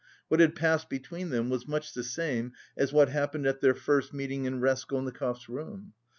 What had passed between them was much the same as what happened at their first meeting in Raskolnikov's room.